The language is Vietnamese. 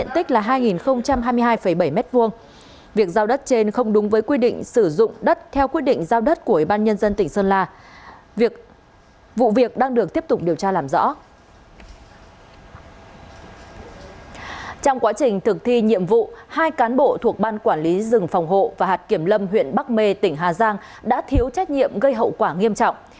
trong quá trình thực thi nhiệm vụ hai cán bộ thuộc ban quản lý rừng phòng hộ và hạt kiểm lâm huyện bắc mê tỉnh hà giang đã thiếu trách nhiệm gây hậu quả nghiêm trọng